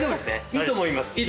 いいと思います。